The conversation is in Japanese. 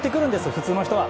普通の人は。